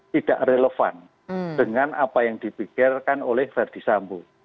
tidak relevan dengan apa yang dipikirkan oleh verdi sambo